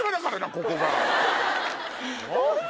ここが。